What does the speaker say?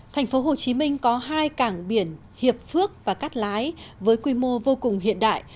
thành phố hồ chí minh có hai cảng biển hiệp phước và cát lái với quy mô vô cùng hiện đại